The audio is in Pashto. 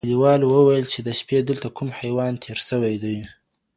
کلیوالو وویل چي د شپې دلته کوم حیوان تېر سوی دی.